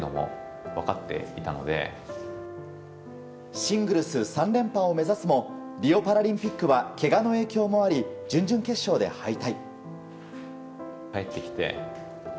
シングルス３連覇を目指すもリオパラリンピックはけがの影響もあり準々決勝で敗退。